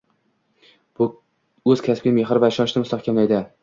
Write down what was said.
Bu o‘z kasbiga mehr va ishonchini mustahkamlaydi.